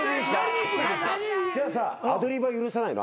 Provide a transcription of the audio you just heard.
じゃあさアドリブは許さないの？